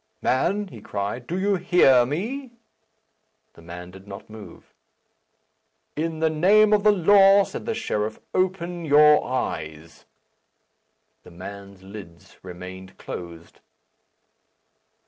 "Man," he cried, "do you hear me?" The man did not move. "In the name of the law," said the sheriff, "open your eyes." The man's lids remained closed.